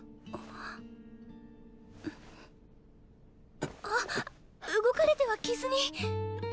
あっ動かれては傷に。